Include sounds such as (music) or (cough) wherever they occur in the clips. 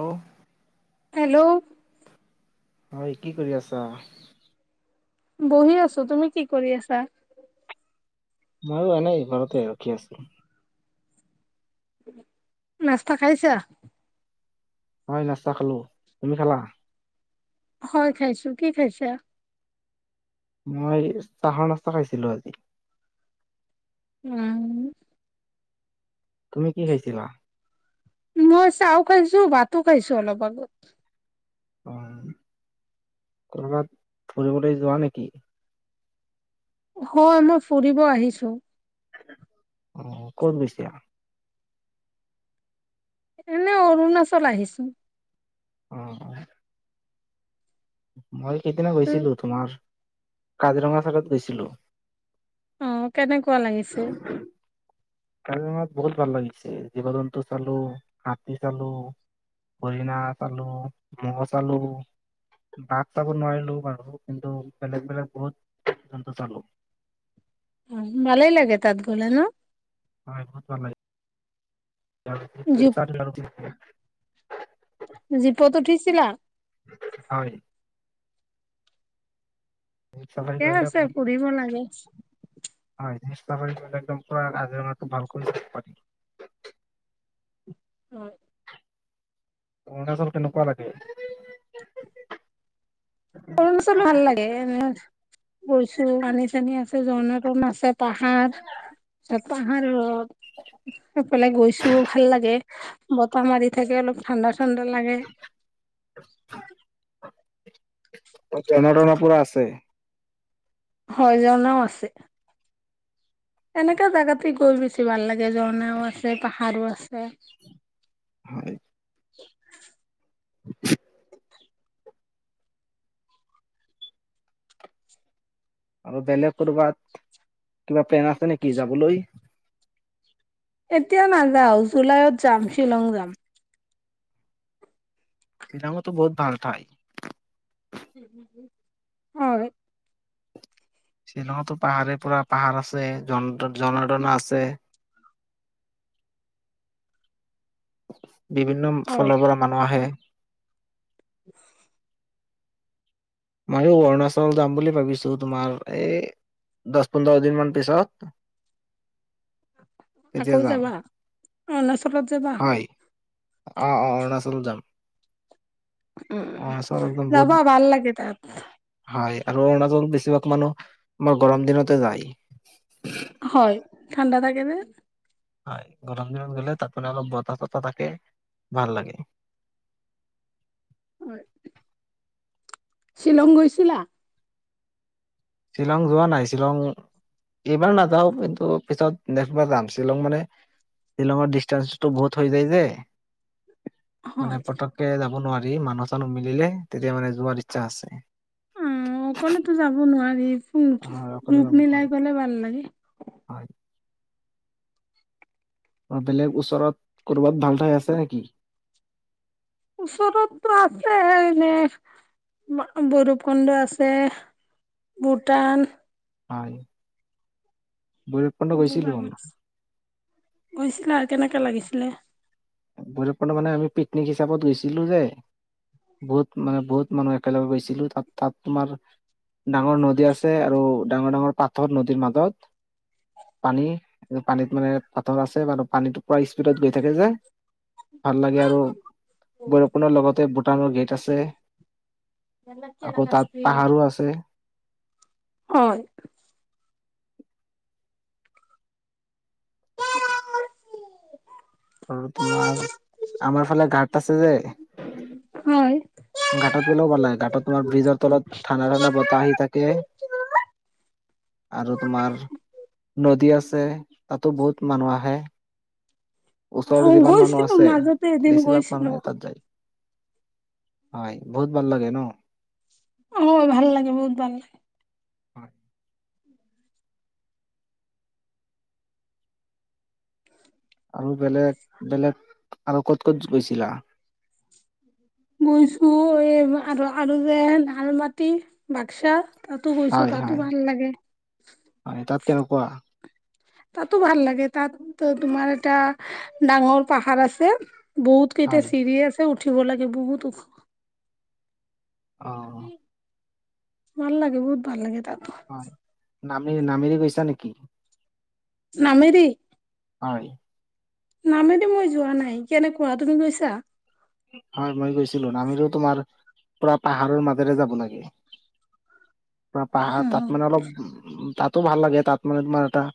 অ'। Hello? হয়, কি কৰি আছা? বহি আছো, তুমি কি কৰি আছা? মই এনেই ঘৰতে ৰখি আছো। নাস্তা খাইছা? হয়' নাস্তা খালো, তুমি খালা? হয় খাইছো, কি খাইছা? মই চাহৰ নাস্তা খাইছিলো আজি। উম। তুমি কি খাইছিলা? মই চাহো খাইছো, ভাতো খাইছো অলপ আগত। অ' কৰ'বাত ফুৰিবলৈ যোৱা নেকি? হয়' মই ফুৰিব আহিছো। অ' ক'ত গৈছিলা? এনে অৰুণাচল আহিছো। অ' অ'। মই সিদিনা গৈছিলো, তোমাৰ কাজিৰঙাৰ চাইডত গৈছিলো। অঁ কেনেকুৱা লাগিছে? কাজিৰঙাত বহুত ভাল লাগিছে, জীৱ জন্তু চালো হাতী চালো। হৰিণা চালো মহ চালো। বাঘ চাব নোৱাৰিলো আৰু, কিন্তু বেলেগ বেলেগ বহুত জন্তু চালো। অঁ ভালেই লাগে তাত গলে ন। হয় খুব ভাল লাগে। জীপ (inaudible) জীপত উঠিছিলা। হয়। জীপ চাফাৰী থিকেই কৰিলে আছে বহুত ঘুৰিব লাগে। হয় চেষ্টা কৰিলে একদম পুৰা কাজিৰঙাটো ভাল কৰি চাব পাৰিম। হয়। অৰুণাচল কেনেকুৱা লাগে? অৰুণাচল ভাল লাগে, এনে গৈছো পানী চানী আছে ঝৰ্ণা তৰ্ণা আছে। পাহাৰ যত পাহাৰত এইফালে গৈছো ভাল লাগে। বতাহ মাৰি থাকে, অলপ ঠাণ্ডা ঠাণ্ডা লাগে। (inaudible) ত ঝৰ্ণা তৰ্ণা পুৰা আছে। হয় ঝৰনাও আছে। এনেকুৱা জেগাতে গৈ বেছি ভাল লাগে ঝৰনাও আছে পাহাৰো আছে। হয়। (inaudible) আৰু বেলেগ ক'ৰবাত, কিবা প্লেন আছে নেকি যাবলৈ? এতিয়া নাযাও, জুলাইত যাম শ্বিলং যাম। শ্বিলঙতো বহুত ভাল ঠাই। হয়। শ্বিলঙতো পাহাৰে পুৰা পাহাৰ আছে, ঝন তোৰ ঝৰনা তৰনা আছে। বিভিন্ন হয় ফালৰ পৰা মানুহ আহে। (inaudible) ময়ো অৰুণাচল যাম বুলি ভাবিছো, তোমাৰ এই দশ পোন্ধৰ দিন মান পিছত। (inaudible) তেতিয়া আকৌ যাম যাবা, অৰুণাচলত যাবা। আ আ অৰুণাচলত যাম। উম, অৰুণাচল একদম বহুত যাবা ভাল লাগে তাত। হয়, আৰু অৰুণাচলত বেছিভাগ মানুহ আমাৰ গৰম দিনতে যায়। হয়, ঠাণ্ডা থাকে যে। হয়, গৰম দিনত গ'লে তাত মানে অলপ বতাহ চতাহ থাকে ভাল লাগে। হয়। শ্বিলং গৈছিলা? শ্বিলং যোৱা নাই, শ্বিলং এইবাৰ নাযাওঁ, কিন্তু পিছত নেক্সবাৰ যাম। শ্বিলং মানে শ্বিলঙৰ ডিষ্টেন্সটো বহুত হৈ যায় যে। মানে হয় পতককে যাব নোৱাৰি মানুহ চানুহ মিলে, তেতিয়া মানে যোৱাৰ ইচ্ছা আছে। উম, অকলেতো যাব নোৱাৰি গ্ৰু হয় গ্ৰুপ মিলাই গ'লে ভাল লাগে। অ', বেলেগ ওচৰত ক'ৰবাত ভাল ঠাই আছে নেকি? ওচৰতটো আছে এনে, ভৈৰবকুণ্ড আছে ভূটান হয়। ভৈৰৱকুণ্ড এইবোৰ গৈছিলো জেগা আমি (unintelligible) গৈছিলা কেনেকুৱা লাগিছিলে? ভৈৰবকুণ্ড মানে আমি পিকনিক হিচাপত গৈছিলোঁ‌ যে বহুত মানে বহুত মানুহ একেলগে গৈছিলো তাত, তাত তোমাৰ ডাঙৰ নদী আছে আৰু ডাঙৰ ডাঙৰ পাথৰ নদীৰ মাজত পানী, এই পানীত মানে পাথৰ আছে, বাৰু পানীতো পুৰা স্পীডত গৈ থাকে যে ভাল লাগে আৰু, ভৈৰবকুণ্ডৰ লগতে ভূটানৰ গেট আছে। আকৌ তাত পাহাৰো আছে। হয়। আৰু তোমাৰ আমাৰ ফালে ঘাট আছে যে হয়। ঘাটত গ'লেও ভাল লাগে, ঘাটত তোমাৰ ব্ৰীজৰ তলত ঠাণ্ডা ঠাণ্ডা বতাহ আহি থাকে। আৰু তোমাৰ নদী আছে, তাতো বহুত মানুহ আহে। ওচৰৰ অ যিমান মানুহ গৈছিলো আছে, মাজতে এদিন বেছিভাগ গৈছিলো মানুহে তাত যায়। হয়, বহুত ভাল লাগে ন? অ', মোৰ ভাল লাগে, বহুত ভাল লাগে। আৰু বেলেগ, বেলেগ আৰু ক'ত ক'ত গৈছিলা? গৈছো এই আৰু আৰু যে আলমাটি বাক্সা তাতো গৈছোঁ হয় তাতো হয় ভাল লাগে। হয়, তাত কেনেকুৱা? তাতো ভাল লাগে, তাতটো তোমাৰ এটা ডাঙৰ পাহাৰ আছে। বহুত কেইটা হয় চিৰি আছে উঠিব লাগে বহুত ওখ। অ'। ভাল লাগে, বহুত ভাল লাগে তাত। হয়, নামে-নামেৰি গৈছা নেকি? নামেৰি? হয়। নামেৰি মই যোৱা নাই, কেনেকুৱা? তুমি গৈছা? হয় মই গৈছিলোঁ, নামেৰি তোমাৰ পুৰা পাহাৰৰ মাজেৰে যাব লাগে। পোৰা পাহাৰ, তাত মানে অলপ উম-উম তাত টো ভাল লাগে তাত মানে তোমাৰ এটা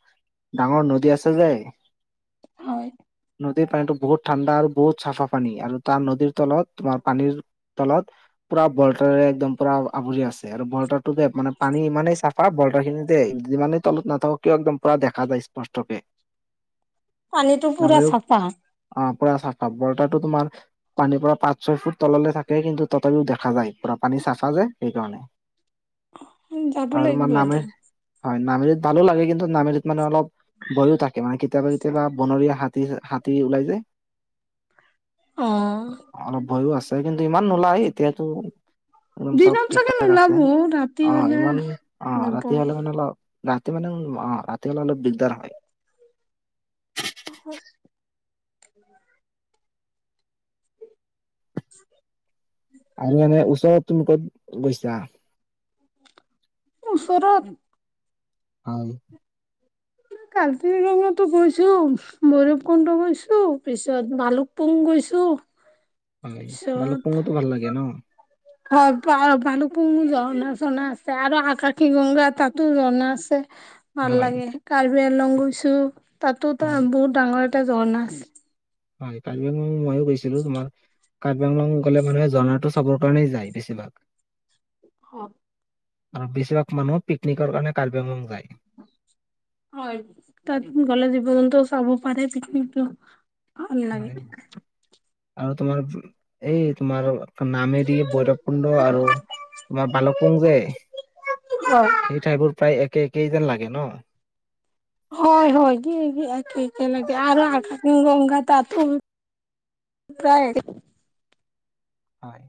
ডাঙৰ নদী আছে যে হয়। নদীৰ পানীতো বহুত ঠাণ্ডা আৰু বহুত চাফা পানী আৰু তাৰ নদীৰ তলত তোমাৰ পানীৰ তলত পুৰা বল্টাৰেৰে একদম পুৰা আৱৰি আছে, আৰু বল্টাৰ টো মানে পানী ইমানে চা ফা বল্টখিনি দেই যিমানেই তলত নাথাকক কিয় একদম পুৰা দেখা পায় স্পষ্টকে। পানীটো পুৰা চাফা। অ' পুৰা চাফা, বল্টাটো তোমাৰ পানীৰ পৰা পাঁচ ছয় ফুট তললৈ থাকে কিন্তু তথাপিও দেখা যায়, পুৰা পানী চাফা যে সেইকাৰণে। যাব আৰু তোমাৰ লাগিব নামেৰি, এদিন হয়, নামেৰিত ভালো লাগে কিন্তু নামেৰিত মানে অলপ (unintelligible) থাকে মানে কেতিয়াবা কেতিয়াবা বনৰীয়া হাতী, হাতী ওলাই যে অ'। অলপ ভয়ো আছে। কিন্তু ইমান নোলায় এতিয়াতো একদম চব দিনত ঠিক চাগে ঠাক নোলাব আছে। ৰাতি অ' হলে ইমান অ' ৰাতি নবই হ'লে মানে অলপ ৰাতি মানে অ' ৰাতি হ'লে অলপ দিগদাৰ হয়। সচ (unintelligible) (unintelligible) আৰু এনে ওচৰত তুমি ক'ত গৈছা? ওচৰত হয়। কাজিৰঙাটো গৈছোঁ, ভৈৰৱকুণ্ড গৈছোঁ পিছত ভালুকপুং গৈছোঁ। হয় ভালুকপুঙটো ভাল লাগে ন। হয় ভালুকপুং ঝৰ্না আছে আৰু আকাশী গংগা তাতো ঝৰ্না আছে। (inaudible) ভাল লাগে, কাৰ্বি আংলং গৈছোঁ তাতো হয় বহুত ডাঙৰ এটা ঝৰ্ণা আছে। হয় কাৰ্বি আংলং ময়ো গৈছিলোঁ। তোমাৰ কাৰ্বি আংলং গ'লে মানুহে ঝৰ্নাটো চাবৰ কাৰণেই যায় বেছিভাগে। হয়। আৰু বেছিভাগ মানুহ পিকনিকৰ কাৰণে কাৰ্বি আংলং যায়। হয়, তাত গ'লে জীৱ জন্তুও চাব পাৰে পিকনিকটো ভাল লাগে হয় আৰু তোমাৰ, এই তোমাৰ নামেৰি, ভৈৰৱকুণ্ড আৰু তোমাৰ ভালুকপুং যে সেই ঠাইবোৰ প্ৰায় একে একেইজেন লাগে ন। হয়, হয়। কি একে একে লাগে আৰু আকাশীগংগা তাতো প্ৰায় একে। হয়।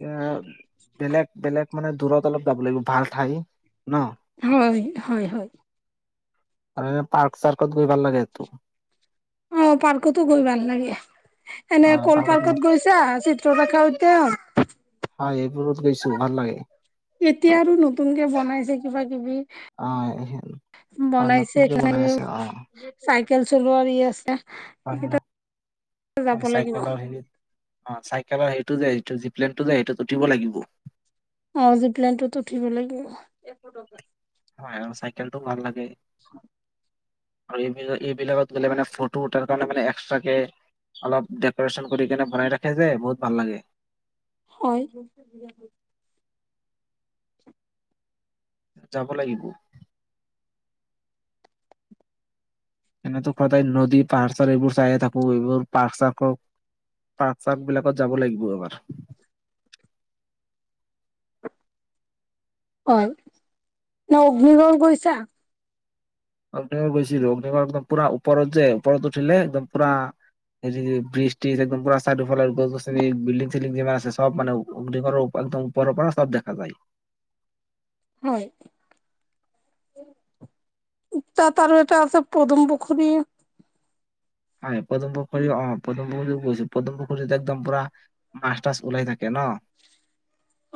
এতিয়া বেলেগ বেলেগ মানে দূৰত অলপ যাব লাগিব ভাল ঠাই ন। হয়, হয়, হয়। এ পাৰ্ক চাৰ্কত গৈ ভাল লাগেটো। অ' পাৰ্কটো গৈ ভাল লাগে। অ এনে কল ন, পাৰ্কত গৈছান চিত্ৰলেখা উদ্যা হয় এইবোৰ এতিয়া আৰু নতুনকে বনাইছে কিবা কিবি। অ বনাইছে নতুনকে বনাই (unintelligible) আছে অ চাইকেল চলোৱাৰ ই আছে হয় ন এইকেইটা হয় চাইকেলৰ হেৰি, অ' চাইকেলৰ হেৰিটো যে যি প্লেনটো যে সেইটোত উঠিব লাগিব। অ' জিপ প্লেনটোত উঠিব লাগিব। হয় চাইকেলটোও ভাল লাগ হয়। আৰু এই এইবিলাকত গ'লে মানে ফটো উঠাৰ কাৰণে মান এক্সট্ৰা কে অলপ ডেক'ৰেশচন কৰি কেনে বনাই ৰাখে যে বহুত ভাল লাগে। হয়। যাব লাগিব। এনেতো সদায় নদী পাহাৰ চাৰ এইবোৰ চাইে থাকো এইবোৰ পাৰ্ক চাৰ্কো পাৰ্ক চাৰ্ক বিলাকত যাব লাগিব এবাৰ। অ', ন অগ্নিগড় গৈছা? অগ্নিগৰ গৈছিলো, অগ্নিগৰ একদম পুৰা ওপৰত যে, ওপৰত উঠিলে একদম পুৰা এই যদি বৃষ্টি ট্ৰিজ একদম পৰা চাইড ফালে গছ গছনি বিল্ডিং চিল্ডিং যিমান আছে, সব মানে অ-অগ্নিগৰৰ উপ একদম ওপৰৰ পৰা সব দেখা পাই। হয়। তাত আৰু এটা আছে পদুম পুখুৰী। হয়, পদুম পুখুৰী অ', পদুম পুখুৰীত গৈছো, পদুম পুখুৰীত একদম পুৰা মাছ তাছ ওলাই থাক কেন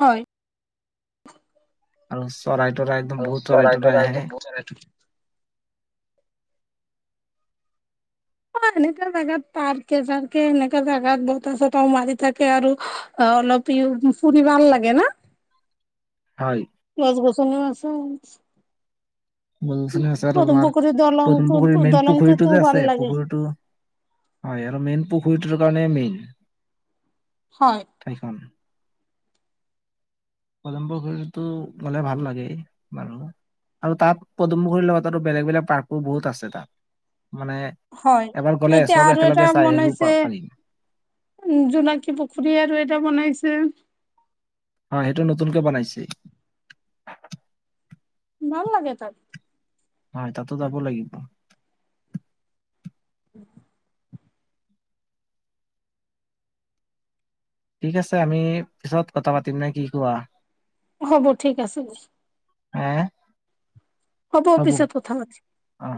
হয় চ চৰাই তৰাই, একদম বহুত চৰাই তৰাই আহে। চৰাই তৰাই অ', এনেকা জেগাত পাৰ্কে চাৰকে এনেকা জেগাত বতাহ চতাহ ও মাৰি থাকে আৰু অ-অলপ ই ফুৰি ভাল লাগে ন হয়। গছ গছনি ও আছে। গছ গছনি ও আছে আৰু পদুম তোমাৰ পুখুৰী পদুম দলংটো পুখুৰী মেইন পুখুৰীটো দলংটোতো যে ভাল আছে, লাগে পুখুৰীটো অ', ইয়াৰ মেইন, পুখুৰীটোৰ কাৰণে মেইন। হয়। ঠাইখন। পদুম পুখুৰীটো গ'লে ভাল লাগে বাৰু। আৰু তাত পদুমপখুৰীৰ লগত আৰু বেলেগ বেলেগ পাৰ্কো বহুত আছে তাত, মানে হয়, এবাৰ গ'লে এতিয়া চব আৰু এটা একেলগে চাই আহিব বনাইছে। পা- পাৰিম উ, জোনাকী পুখুৰী আৰু এটা বনাইছে। অ', সেইটো নতুনকে বনাইছে। ভাল লাগে তাত। হয়, তাতো যাব লাগিব। (unintelligible) ঠিক আছে, আমি পিছত কথা পাতিম নে কি কোৱা? হ'ব, ঠিক আছে। হে হ'ব, পিছত কথা পাতিম। অ'।